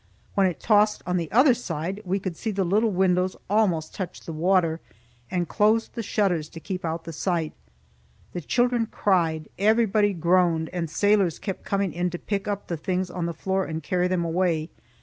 When it tossed on the other side, we could see the little windows almost touch the water, and closed the shutters to keep out the sight. The children cried, everybody groaned, and sailors kept coming in to pick up the things on the floor and carry them away.